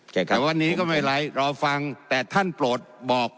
แต่วันนี้ก็ไม่เป็นไรรอฟังแต่ท่านโปรดบอก